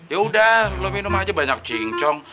yaudah lo minum aja banyak cincong